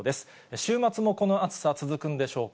週末もこの暑さ続くんでしょうか。